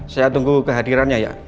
saya tunggu kehadirannya ya